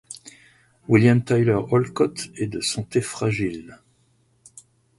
William Tyler Olcott est de santé fragile.